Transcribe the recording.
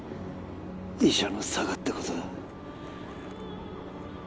医者の性ってことだ